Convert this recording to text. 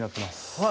はい。